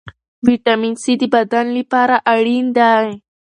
ویټامین سي د بدن لپاره اړین دی.